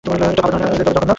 এটা ভালো কারণের জন্য।